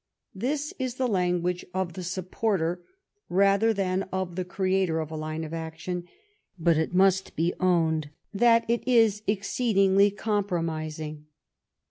This is the language of the supporter, rather than of the creator, of a line of action, but it must be owned 6 ♦ 68 LIFE OF riBOOUNT PALMEBBTON, that it is exceedingly compromising.